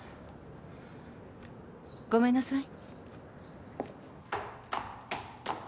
ごめんなさい。